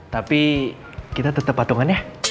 tapi kita tetap patungan ya